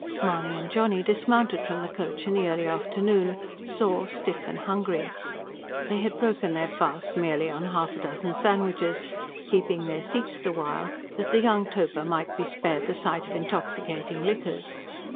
Mahony and Johnny dismounted from the coach in the early afternoon, sore, stiff and hungry: they had broken their fast merely on half a dozen sandwiches, keeping their seats the while that the young toper might be spared the sight of intoxicating liquors.